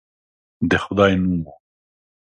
د خدای نوم وو.